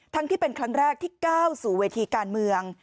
ที่เป็นครั้งแรกที่ก้าวสู่เวทีการเมือง